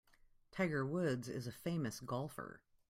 Tiger Woods is a famous golfer.